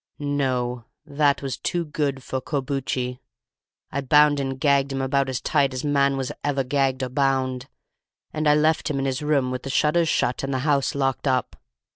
"No; that was too good for Corbucci. But I bound and gagged him about as tight as man was ever gagged or bound, and I left him in his room with the shutters shut and the house locked up.